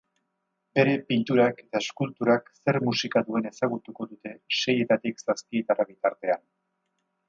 Bere pinturak eta eskulturak zer musika duen ezagutuko dute seietatik zazpietara bitartean.